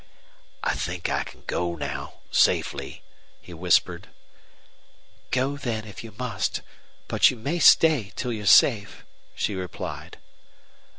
"I think I can go now safely," he whispered. "Go then, if you must, but you may stay till you're safe," she replied.